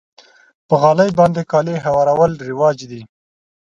په غالۍ باندې کالي هوارول رواج دی.